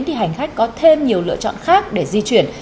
thì hành khách có thêm nhiều lựa chọn khác để di chuyển